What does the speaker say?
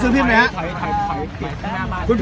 ช่วงปะเป็นลูกถ่ายนะครับ